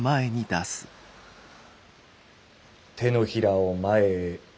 手のひらを前へ。